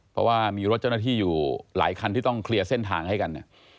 เพราะว่ามีรถเจ้าหน้าที่อยู่หลายคันที่ต้องเคลียร์เส้นทางให้กัน